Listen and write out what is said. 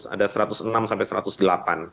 ada satu ratus enam sampai satu ratus delapan